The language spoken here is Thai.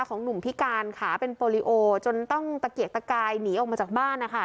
ของหนุ่มพิการขาเป็นโปรลิโอจนต้องตะเกียกตะกายหนีออกมาจากบ้านนะคะ